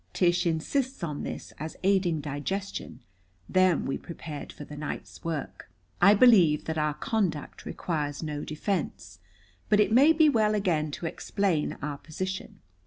Tish insists on this, as aiding digestion. Then we prepared for the night's work. I believe that our conduct requires no defense. But it may be well again to explain our position.